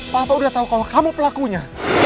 papa udah tahu kalau kamu pelakunya